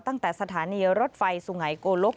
ตั้งแต่สถานีรถไฟสุไงโกลก